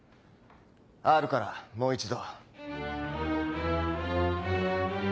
Ｒ からもう一度。